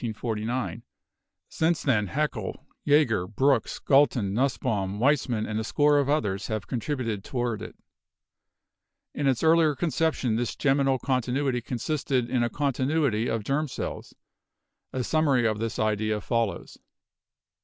Since then Hackel, Jager, Brooks, Galton, Nussbaum, Weismann, and a score of others have con tributed toward it. In its earlier conception this germinal continuity con sisted in a continuity of germ cells. A summary of this idea follows.